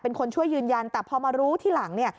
เป็นคนช่วยยืนยันแต่พอมารู้ที่หลังเนี่ย